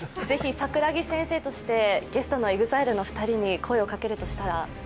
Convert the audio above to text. ぜひ桜木先生としてゲストのＥＸＩＬＥのお二人に声をかけるとしたら？